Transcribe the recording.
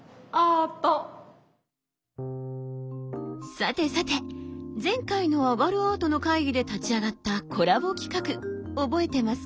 さてさて前回の「あがるアートの会議」で立ち上がったコラボ企画覚えてますか？